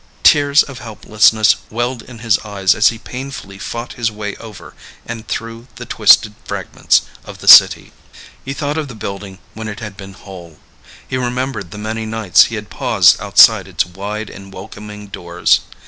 Tears of helplessness welled in his eyes as he painfully fought his way over and through the twisted fragments of the city. He thought of the building when it had been whole. He remembered the many nights he had paused outside its wide and welcoming doors.